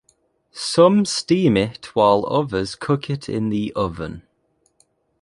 Some steam it while others cook it in the oven.